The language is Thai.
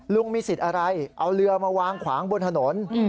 ลุงมีสิทธิ์อะไรเอาเรือมาวางขวางบนถนน